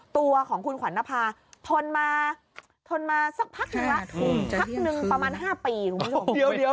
ตัวของคุณขวัญนภาทนมาทนมาสักพักนึงละพักนึงประมาณ๕ปี